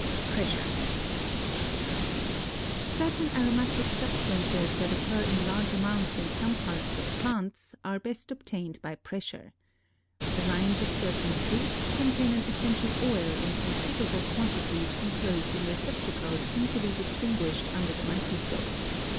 PRESSURE. Certain aromatic substances that occur in large amounts in some parts of plants, are best obtained by pressure. The rinds of certain fruits contain an essential oil in considerable quantities inclosed in receptacles easily distinguished under the microscope.